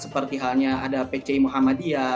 seperti halnya ada pc muhammadiyah